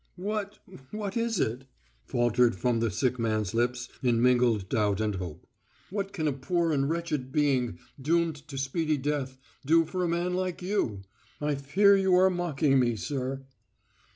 "What—what is it?" faltered from the sick man's lips in mingled doubt and hope. "What can a poor and wretched being, doomed to speedy death, do for a man like you? I fear you are mocking me, sir."